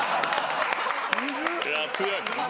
いや強い。